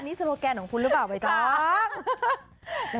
อันนี้โสโกแกนของคุณรึเปล่าไว้ต้อง